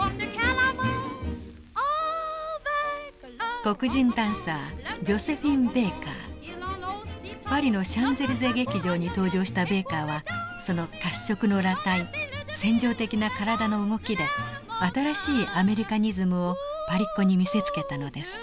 黒人ダンサーパリのシャンゼリゼ劇場に登場したベーカーはその褐色の裸体扇情的な体の動きで新しいアメリカニズムをパリっ子に見せつけたのです。